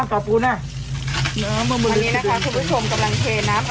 น้ำอามลิต